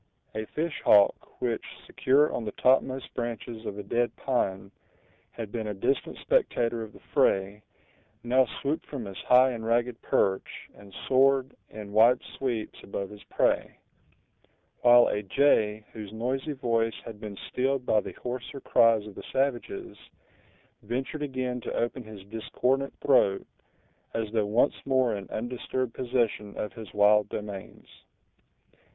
A fish hawk, which, secure on the topmost branches of a dead pine, had been a distant spectator of the fray, now swooped from his high and ragged perch, and soared, in wide sweeps, above his prey; while a jay, whose noisy voice had been stilled by the hoarser cries of the savages, ventured again to open his discordant throat, as though once more in undisturbed possession of his wild domains.